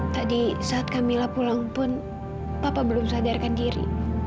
tadi saat kamila pulang pun papa belum sadarkan diri